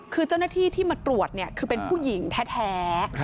คือเจ้าหน้าที่ที่มาตรวจคือเป็นผู้หญิงแท้